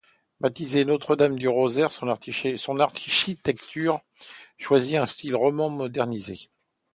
Baptisée Notre-Dame-du-Rosaire, son architecte choisit un style roman modernisé.